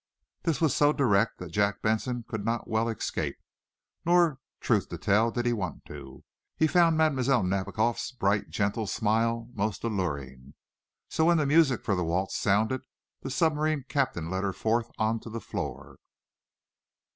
This was so direct that Jack Benson could not well escape. Nor, truth to tell, did he want to. He found Mlle. Nadiboff's bright, gentle smile most alluring. So, when the music for the waltz sounded the submarine captain led her forth on to the floor.